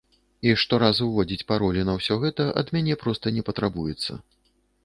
І штораз уводзіць паролі на ўсё гэта ад мяне проста не патрабуецца.